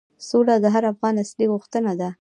سوله د هر افغان اصلي غوښتنه ده.